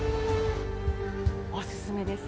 お勧めです。